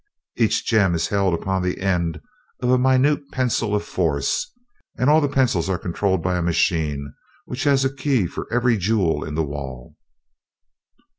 Each gem is held upon the end of a minute pencil of force, and all the pencils are controlled by a machine which has a key for every jewel in the wall."